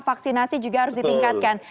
vaksinasi juga harus ditingkatkan